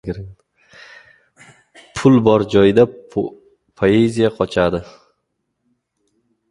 Pul bor joyda poeziya qochadi.